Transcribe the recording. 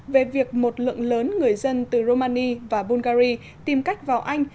về việc một lượng lớn người dân từ romani và bungary tìm cách vào anh